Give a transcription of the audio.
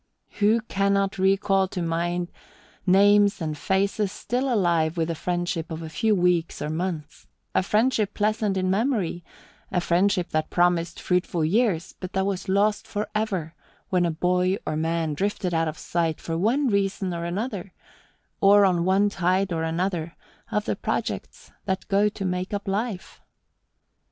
Who cannot recall to mind names and faces still alive with the friendship of a few weeks or months, a friendship pleasant in memory, a friendship that promised fruitful years, but that was lost for ever when a boy or man drifted out of sight for one reason or another, and on one tide or another of the projects that go to make up life?